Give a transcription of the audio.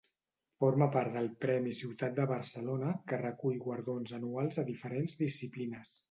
Forma part del Premi Ciutat de Barcelona que recull guardons anuals a diferents disciplines.